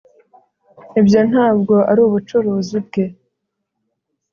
ibyo ntabwo ari ubucuruzi bwe